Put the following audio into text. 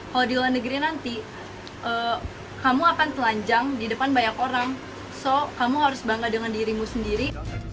kalau di luar negeri nanti kamu akan telanjang di depan banyak orang so kamu harus bangga dengan dirimu sendiri